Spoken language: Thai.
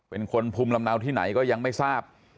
เป็นคนภูมิลำเนาที่ไหนก็ยังไม่ทราบ